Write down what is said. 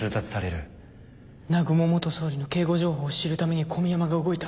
南雲元総理の警護情報を知るために小宮山が動いた。